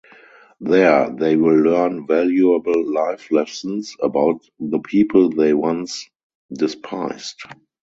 There they will learn valuable life lessons about the people they once despised.